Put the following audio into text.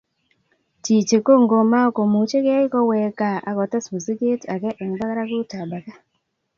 Chichi ko ngomakomuchegei koweek gaa akotes mziget age eng barakutap age